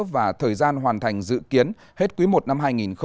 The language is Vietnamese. và thời gian hoàn thành dự kiến hết quý i năm hai nghìn hai mươi